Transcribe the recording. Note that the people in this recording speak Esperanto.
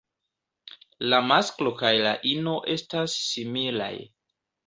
La masklo kaj la ino estas similaj.